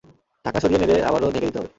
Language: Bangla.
ঢাকনা সরিয়ে নেড়ে আবারও ঢেকে দিতে হবে।